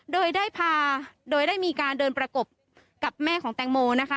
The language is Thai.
โดยได้พาโดยได้มีการเดินประกบกับแม่ของแตงโมนะคะ